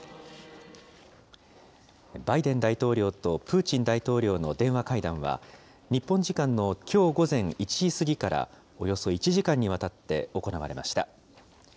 バイデン大統領とプーチン大統領の電話会談は、日本時間のきょう午前１時過ぎから、およそ１時間にわたって行われました。